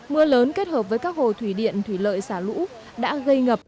mưa lớn kết hợp với các hồ thủy điện thủy lợi xả lũ đã gây ngập